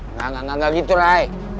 enggak enggak enggak gitu ray